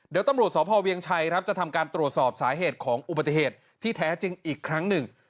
เดี๋ยวตำรวจสพเวียงชัยครับจะทำการตรวจสอบสาเหตุของอุบัติเหตุที่แท้จริงอีกครั้งหนึ่ง